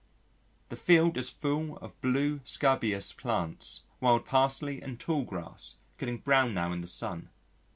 The field is full of blue Scabious plants, Wild Parsley and tall grass getting brown now in the sun.